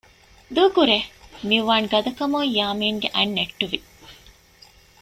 ދޫކުރޭ! މިއުވާން ގަދަކަމުން ޔާމިންގެ އަތް ނެއްޓުވި